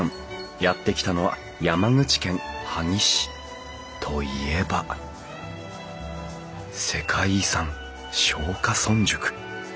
やって来たのは山口県萩市。といえば世界遺産松下村塾！